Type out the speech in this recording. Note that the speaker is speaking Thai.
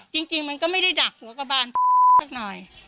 จริงมันก็ไม่ได้ดักหัวกระบานสักหน่อย